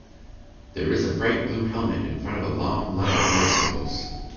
There is a bright blue helmet in front of a long line of motorcycles.